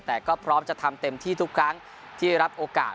แต่ก็พร้อมจะทำเต็มที่ทุกครั้งที่รับโอกาส